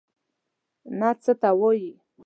نعت څه ته وايي.